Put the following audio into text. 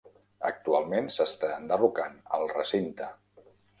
Actualment s'està enderrocant el recinte.